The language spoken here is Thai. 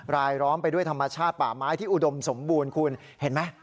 รายล้อมไปด้วยธรรมชาติป่าไม้ที่อุดมสมบูรณ์คุณเห็นไหม